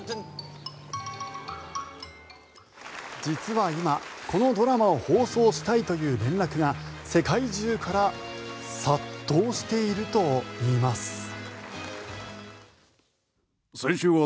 実は今、このドラマを放送したいという連絡が世界中から殺到しているといいます。